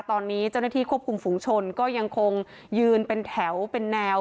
ตอนนี้เจ้าหน้าที่ควบคุมฝุงชนก็ยังคงยืนเป็นแถวเป็นแนว